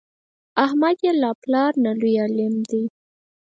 احمد یې له پلار نه لوی عالم دی.